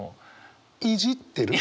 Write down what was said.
いじってる？